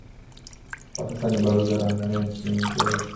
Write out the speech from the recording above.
Kwa sasa ni balozi wa Tanzania nchini Uingereza